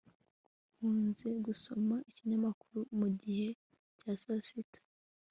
nkunze gusoma ikinyamakuru mugihe cya sasita